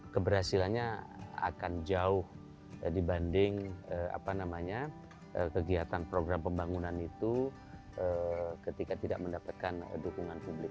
keberhasilannya akan jauh dibanding kegiatan program pembangunan itu ketika tidak mendapatkan dukungan publik